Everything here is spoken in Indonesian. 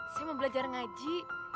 saya mau belajar ngaji